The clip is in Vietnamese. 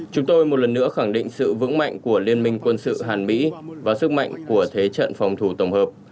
chúng tôi một lần nữa khẳng định sự vững mạnh của liên minh quân sự hàn mỹ và sức mạnh của thế trận phòng thủ tổng hợp